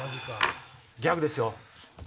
ギャグですよ。